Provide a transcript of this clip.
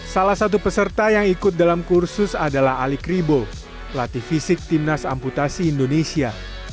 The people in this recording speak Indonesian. salah satu peserta yang ikut dalam kursus adalah alik ribo pelatih fisik timnas amputasi indonesia